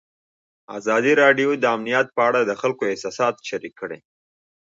ازادي راډیو د امنیت په اړه د خلکو احساسات شریک کړي.